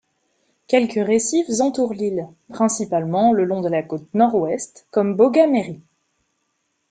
Quelques récifs entourent l'île, principalement le long de la côte Nord-Ouest comme Bogha Mairi.